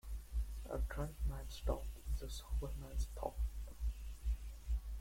A drunk man's talk is a sober man's thought.